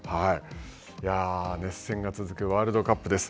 熱戦が続くワールドカップです。